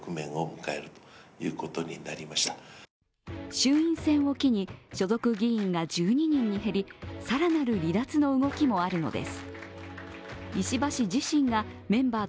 衆院選を機に所属議員が１２人に減り更なる離脱の動きもあるのです。